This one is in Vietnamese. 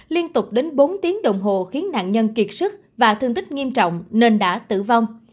liên tục đến bốn tiếng đồng hồ khiến nạn nhân kiệt sức và thương tích nghiêm trọng nên đã tử vong